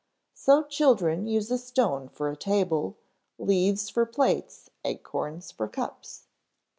So children use a stone for a table, leaves for plates, acorns for cups.